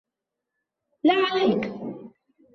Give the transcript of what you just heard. لا عليك!